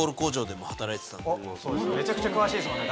めちゃくちゃ詳しいですもんね